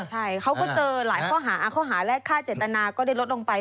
ใช่เขาก็เจอหลายข้อหาข้อหาแรกฆ่าเจตนาก็ได้ลดลงไป